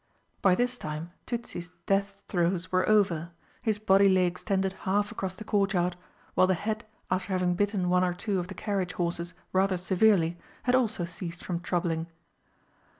By this time Tützi's death throes were over; his body lay extended half across the Courtyard, while the head, after having bitten one or two of the carriage horses rather severely, had also ceased from troubling.